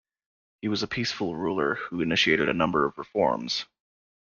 He was a peaceful ruler who initiated a number of reforms.